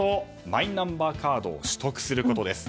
マイナンバーカードを取得することです。